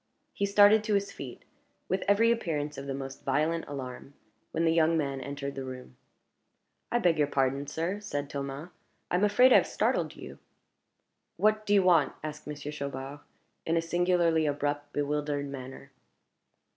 He started to his feet, with every appearance of the most violent alarm, when the young man entered the room. "I beg your pardon, sir," said Thomas; "I am afraid I have startled you." "What do you want?" asked Monsieur Chaubard, in a singularly abrupt, bewildered manner.